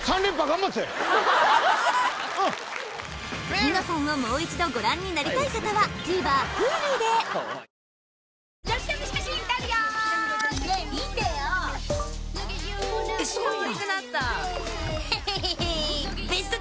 『ニノさん』をもう一度ご覧になりたい方はＴＶｅｒＨｕｌｕでわ！